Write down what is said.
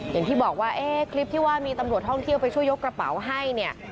อย่างที่บอกว่าคลิปที่ว่ามีตำรวจท่องเที่ยวไปช่วยยกกระเป๋าให้เนี่ย